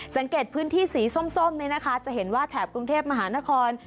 สังเกตพื้นที่สีส้มนี่นะคะจะเห็นว่าแถบกรุงเทพมหานคร